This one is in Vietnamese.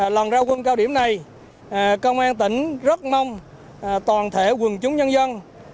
lần ra quân cao điểm này công an tỉnh rất mong toàn thể quần chúng nhân dân